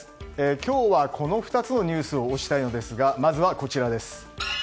今日はこの２つのニュースを推したいのですがまずは、こちらです。